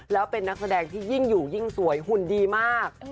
แล้วเป็นนักแสดงที่ยิ่งอยู่ยิ่งสวยหุ่นดีมาก